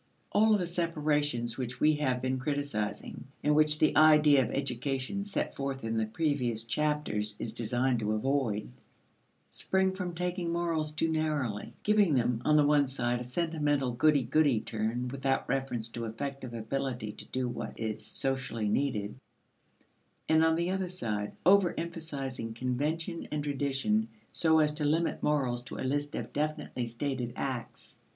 All of the separations which we have been criticizing and which the idea of education set forth in the previous chapters is designed to avoid spring from taking morals too narrowly, giving them, on one side, a sentimental goody goody turn without reference to effective ability to do what is socially needed, and, on the other side, overemphasizing convention and tradition so as to limit morals to a list of definitely stated acts.